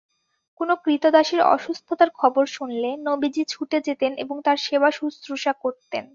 কোনো ক্রীতদাসের অসুস্থতার খবর শুনলে নবীজি ছুটে যেতেন এবং তার সেবা-শুশ্রূষা করতেন।